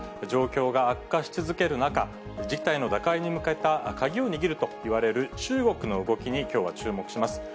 状況が悪化し続ける中、事態の打開に向けた鍵を握るといわれる中国の動きに、きょうは注目します。